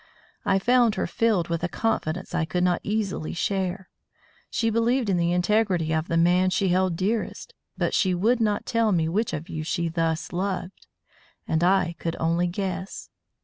I found her filled with a confidence I could not easily share. She believed in the integrity of the man she held dearest, but she would not tell me which of you she thus loved. And I could only guess.